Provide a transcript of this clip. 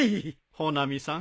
穂波さん